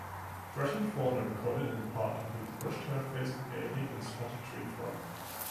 Threatened fauna recorded in the park include the Brush-tailed Phascogale and Spotted Tree-Frog.